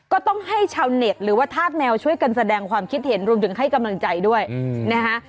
ก็ต้องให้ชาวเน็ตหรือว่าธาตุแมวช่วยกันแสดงความคิดเห็นรวมถึงให้กำลังใจด้วยนะฮะ